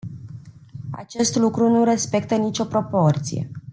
Acest lucru nu respectă nicio proporție.